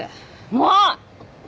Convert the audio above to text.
もう！